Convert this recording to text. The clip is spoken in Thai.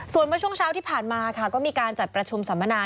ส่วนเมื่อช่วงเช้าที่ผ่านมาค่ะก็มีการจัดประชุมสัมมนา